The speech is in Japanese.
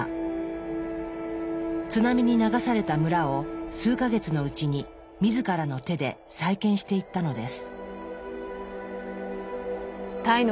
津波に流された村を数か月のうちに自らの手で再建していったのです。